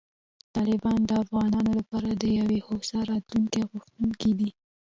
طالبان د افغانانو لپاره د یوې هوسا راتلونکې غوښتونکي دي.